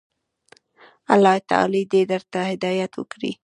الله تعالی دي درته هدايت وکړي.